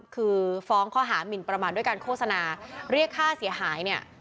คือฟ้องข้อหามินประมาทด้วยการโฆษณาเรียกค่าเสียหายเนี่ย